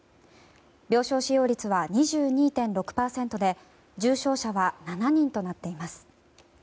病床使用率は２２．６％で重症者は７人となっています。